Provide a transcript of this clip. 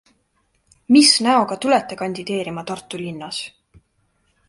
Mis näoga tulete kandideerima Tartu linnas?